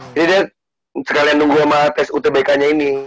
jadi dia sekalian nunggu sama tes utbk nya ini